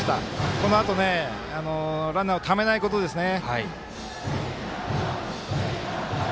このあとランナーをためないことですね。